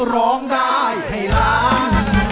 ร้องได้ให้ล้าน